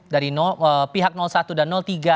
dari pihak satu dan tiga